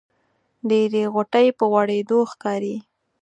ډېرې غوټۍ په غوړېدو ښکاري.